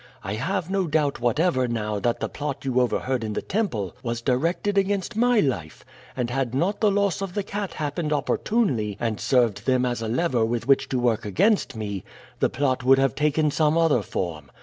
I have no doubt whatever now that the plot you overheard in the temple was directed against my life, and had not the loss of the cat happened opportunely and served them as a lever with which to work against me, the plot would have taken some other form.